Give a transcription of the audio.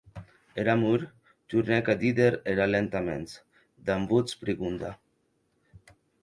Er amor, tornèc a díder era lentaments, damb votz prigonda.